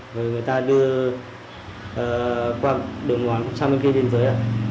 người ta đưa qua đường mòn sang bên kia biên giới